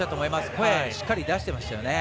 声、しっかり出してましたよね。